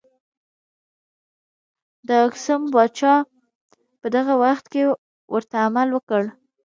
د اکسوم پاچا په دغه وخت کې ورته عمل وکړ.